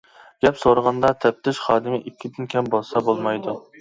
گەپ سورىغاندا تەپتىش خادىمى ئىككىدىن كەم بولسا بولمايدۇ.